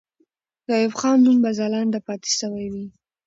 د ایوب خان نوم به ځلانده پاتې سوی وي.